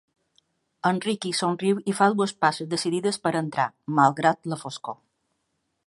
El Riqui somriu i fa dues passes decidides per entrar, malgrat la foscor.